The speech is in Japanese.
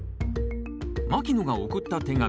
牧野が送った手紙。